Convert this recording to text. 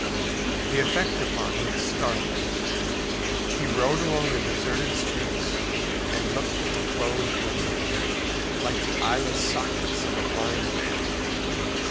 The effect upon him was startling. He rode along the deserted streets and looked at the closed windows, like the eyeless sockets of a blind man.